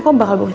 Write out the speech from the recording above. kita mau belajar